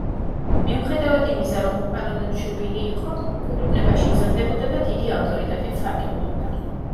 მიუხედავად იმისა, რომ უკანონოდ შობილი იყო, ფუფუნებაში იზრდებოდა და დიდი ავტორიტეტით სარგებლობდა.